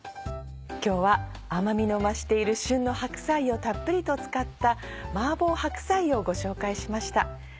今日は甘みの増している旬の白菜をたっぷりと使った「麻婆白菜」をご紹介しました。